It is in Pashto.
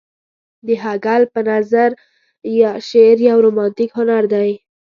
د هګل په نظر شعر يو رومانتيک هنر دى.